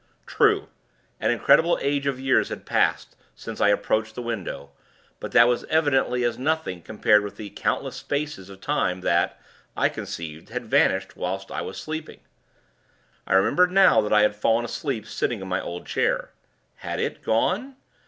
True, an incredible age of years had passed, since I approached the window; but that was evidently as nothing, compared with the countless spaces of time that, I conceived, had vanished whilst I was sleeping. I remembered now, that I had fallen asleep, sitting in my old chair. Had it gone